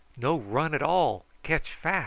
No run at all, catch fas'."